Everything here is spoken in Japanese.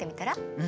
うん。